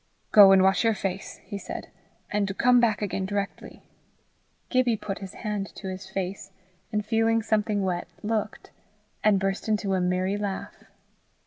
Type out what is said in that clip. "Go and wash your face," he said, "and come back again directly." Gibbie put his hand to his face, and feeling something wet, looked, and burst into a merry laugh.